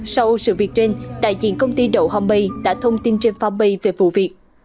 sau sự việc trên đại diện công ty đậu homemade đã thông tin trên phan made về vụ việc